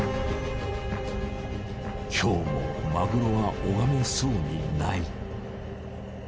今日もマグロは拝めそうにない。